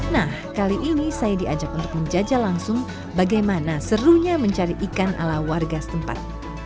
nah kali ini saya diajak untuk menjajah langsung bagaimana serunya mencari ikan ala warga setempat